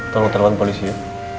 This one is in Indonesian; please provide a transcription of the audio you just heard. tolong terbang polisi ya